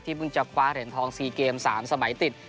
ที่เพิ่งจะคว้าแถ่นทอง๔เกม๓สมัยติด